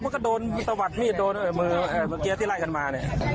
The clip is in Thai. มันก็โดนตะวัดมีดโดนเมืองเกียร์ที่ไล่กันมา